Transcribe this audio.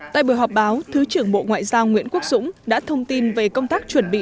tại buổi họp báo thứ trưởng bộ ngoại giao nguyễn quốc dũng đã thông tin về công tác chuẩn bị